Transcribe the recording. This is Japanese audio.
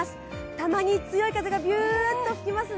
たまに強い風がびゅーっと吹きますね。